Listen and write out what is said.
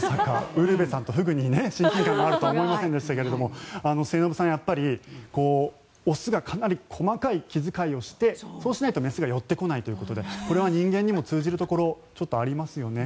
ウルヴェさんとフグに親近感があるとは思いませんでしたが末延さん、やっぱり雄がかなり細かい気遣いをしてそうしないと雌が寄ってこないということでこれは人間にも通じるところちょっとありますよね。